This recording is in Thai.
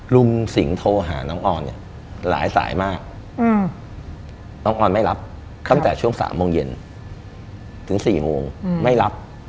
ลุงสิงห์โทรหาน้องออนเนี่ยหลายสายมากน้องออนไม่รับตั้งแต่ช่วง๓โมงเย็นถึง๔โมงไม่รับ